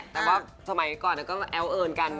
แต่ว่าสมัยก่อนก็แอ้วเอิญกัน